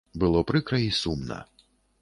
Было прыкра й сумна.